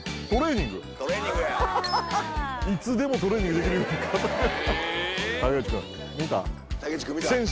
いつでもトレーニングできるように肩から。